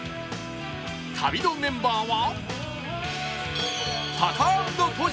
旅のメンバーは